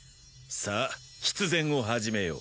さあ必然を始めよう。